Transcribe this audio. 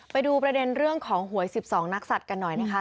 ไปดูประเด็นเรื่องของหวย๑๒นักศัตว์กันหน่อยนะคะ